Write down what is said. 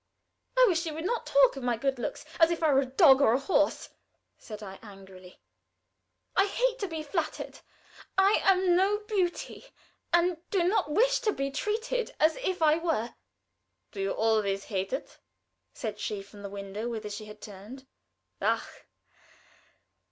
"I wish you would not talk of my 'good looks' as if I were a dog or a horse!" said I, angrily. "I hate to be flattered. I am no beauty, and do not wish to be treated as if I were." "Do you always hate it?" said she from the window, whither she had turned. "_Ach!